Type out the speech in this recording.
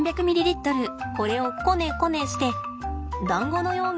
これをこねこねしてだんごのように丸めます。